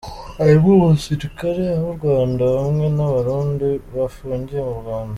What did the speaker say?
"Harimwo umusirikare w'Urwanda hamwe n'abarundi bahungiye mu Rwanda.